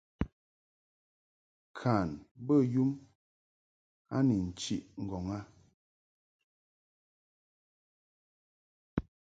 Kan bə yum a ni nchiʼ ŋgɔŋ a.